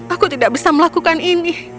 aku tidak bisa melakukan ini